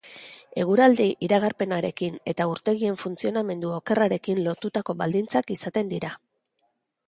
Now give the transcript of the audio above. Eguraldi-iragarpenarekin eta urtegien funtzionamendu okerrarekin lotutako baldintzak izaten dira.